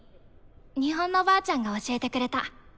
日本のばあちゃんが教えてくれた。